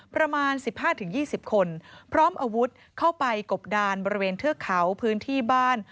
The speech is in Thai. ประมาณ๑๕๒๐คนพร้อมอาวุธเข้าไปกบดานบริเวณเทือกเขาพื้นที่บ้าน